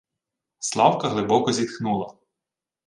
Славка глибоко зітхнула: